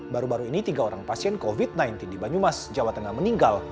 baru baru ini tiga orang pasien covid sembilan belas di banyumas jawa tengah meninggal